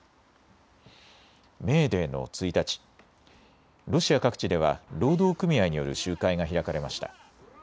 メーデーの１日、ロシア各地では労働組合による集会が開かれました。